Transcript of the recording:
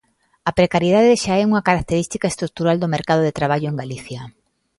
A precariedade xa é unha característica estrutural do mercado de traballo en Galicia.